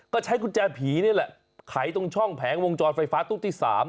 ก็ใช้กุญแจผีนี่แหละไขตรงช่องแผงวงจรไฟฟ้าตู้ที่๓